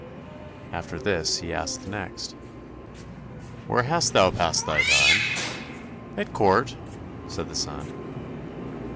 After this he asked the next, "Where hast thou passed thy time?" "At court," said the son.